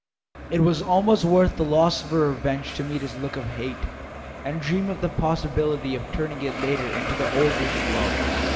It was almost worth the loss of her revenge to meet his look of hate, and dream of the possibility of turning it later into the old look of love.